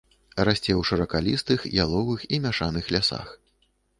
Расце ў шыракалістых, яловых і мяшаных лясах.